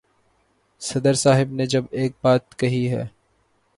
صدر صاحب نے جب ایک بات کہی ہے۔